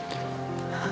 seekor pas fandung